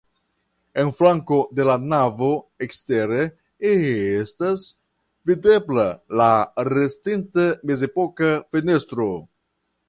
En flanko de la navo ekstere estas videbla la restinta mezepoka fenestro.